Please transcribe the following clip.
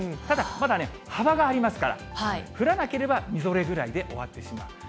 ただ、まだね、幅がありますから、降らなければみぞれぐらいで終わってしまう。